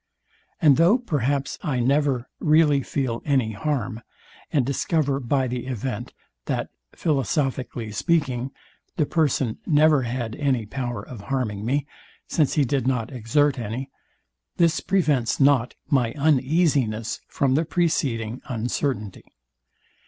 And though perhaps I never really feel any harm, and discover by the event, that, philosophically speaking, the person never had any power of harming me; since he did not exert any; this prevents not my uneasiness from the preceding uncertainty.